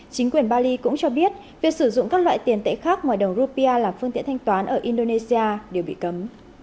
chính quyền bali cũng cho biết việc sử dụng các loại tiền tệ khác ngoài đồng rupia là phương tiện thanh toán ở indonesia đều bị cấm